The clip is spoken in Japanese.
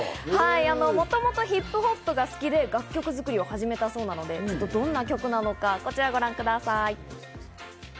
もともとヒップホップが好きで、楽曲作りを始めたそうなので、どんな曲なのかこちらをご覧ください。